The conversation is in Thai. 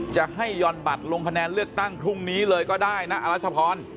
จะให้ยอนบัตรลงคะแนนเลือกตั้งพรุ่งนี้เลยก็ได้นะอรัชพร